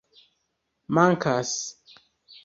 Mankas.